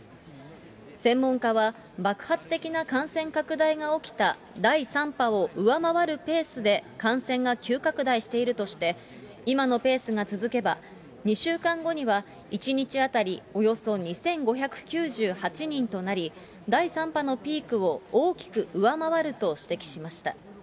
専門家は、爆発的な感染拡大が起きた第３波を上回るペースで感染が急拡大しているとして、今のペースが続けば、２週間後には１日当たりおよそ２５９８人となり、第３波のピークを大きく上回ると指摘しました。